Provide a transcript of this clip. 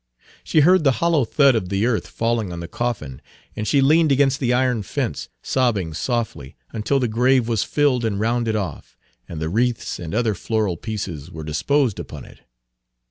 She heard the hollow thud of the earth falling on the coffin; and she leaned against the iron fence, sobbing softly, until the grave was filled and rounded off, and the wreaths and other floral pieces were disposed upon it.